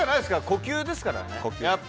呼吸ですからね。